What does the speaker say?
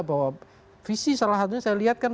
bahwa visi salah satunya saya lihat kan